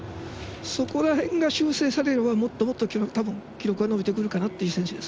そこら辺が修正されればもっともっと記録は伸びてくるかなって選手です。